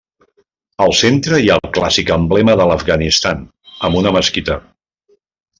Al centre hi ha el clàssic emblema de l'Afganistan amb una mesquita.